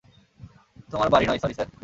তোমার বাড়ি নয় স্যরি, স্যার।